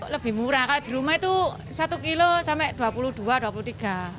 lebih murah kalau di rumah itu satu kilo sampai rp dua puluh dua rp dua puluh tiga